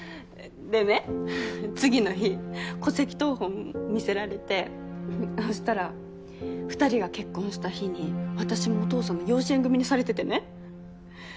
でねははっ次の日戸籍謄本見せられてそしたら２人が結婚した日に私もお父さんの養子縁組にされててね。